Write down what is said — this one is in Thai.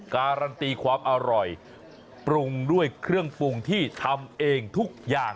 การันตีความอร่อยปรุงด้วยเครื่องปรุงที่ทำเองทุกอย่าง